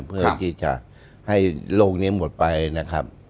เพื่อที่จะให้โลกนี้หมดไปนะครับ